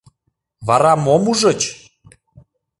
— Вара мом ужыч?